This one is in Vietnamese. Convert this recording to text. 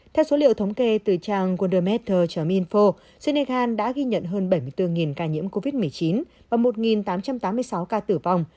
theo số liệu thống kê từ trang goldemettor mino senegal đã ghi nhận hơn bảy mươi bốn ca nhiễm covid một mươi chín và một tám trăm tám mươi sáu ca tử vong